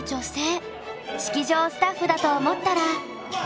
式場スタッフだと思ったら。